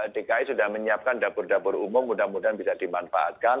dki sudah menyiapkan dapur dapur umum mudah mudahan bisa dimanfaatkan